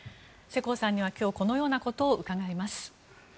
世耕さんには今日このようなことを伺います。